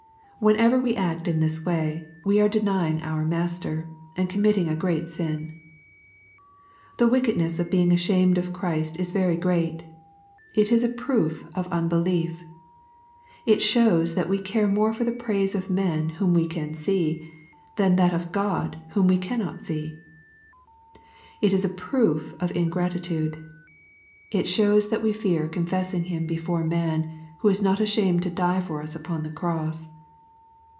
Whenever we act in this way, we are deny ing our Master, and committing a great sin* The wickedness of being ashamed of Christ is very great. It is a proof of unbelief. It shows that we care more for the praise of men whom we can see, than that of God whom we cannot see. It is a proof of in gratitude. It shows that we fear confessing Him before man who was not ashamed to die for us upon the cross.